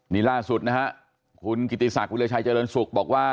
นี่ล่าสุดนะฮะคุณกิติศักดิรชัยเจริญสุขบอกว่า